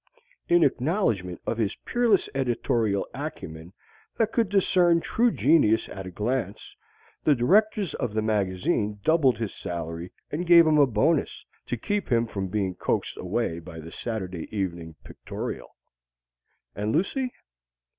In acknowledgement of his peerless editorial acumen that could discern true genius at a glance, the directors of the magazine doubled his salary and gave him a bonus to keep him from being coaxed away by the "Saturday Evening Pictorial." And Lucy?